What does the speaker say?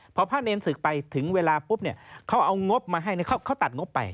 พอพระเนรศึกไปถึงเวลาปุ๊บเขาเอางบมาให้เขาตัดงบไป